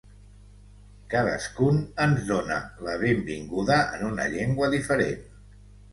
Cadascun ens dóna la benvinguda en una llengua diferent.